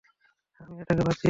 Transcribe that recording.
আমি এটাকে বাচিঁয়েছি।